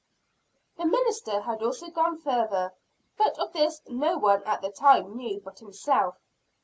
The minister also had gone farther but of this no one at the time knew but himself.